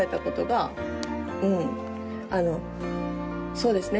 そうですね。